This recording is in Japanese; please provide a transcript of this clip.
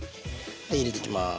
入れてきます。